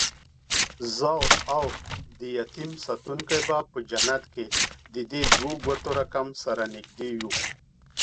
زه اودیتیم ساتونکی به په جنت کې ددې دوو ګوتو رکم، سره نږدې یو